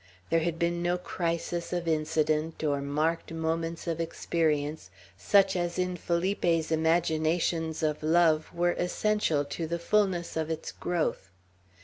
There had been no crisis of incident, or marked moments of experience such as in Felipe's imaginations of love were essential to the fulness of its growth.